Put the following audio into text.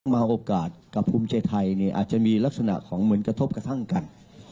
มาโอกาสกับภูมิใจไทยเนี่ยอาจจะมีลักษณะของเหมือนกระทบกระทั่งกัน